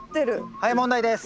はい問題です。